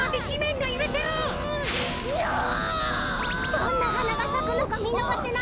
どんなはながさくのかみのがせないわ！